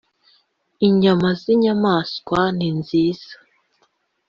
inyama z inyamaswa ninziza